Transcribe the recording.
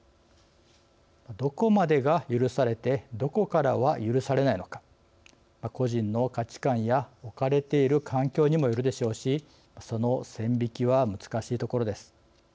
どこまでが許されてどこからは許されないのか個人の価値観や置かれている環境にもよるでしょうしその線引きは難しいところです。